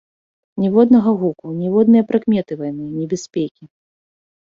Ніводнага гуку, ніводнае прыкметы вайны, небяспекі.